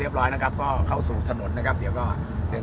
เรียบร้อยนะครับก็เข้าสู่ถโนตนะครับเดี๋ยวก็เดิน